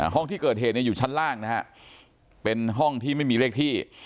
ห้องที่เกิดเหตุอยู่ชั้นล่างนะฮะเป็นห้องที่ไม่มีเลขที่